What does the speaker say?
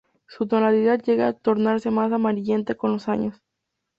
Su tonalidad llega a tornarse más amarillenta con los años.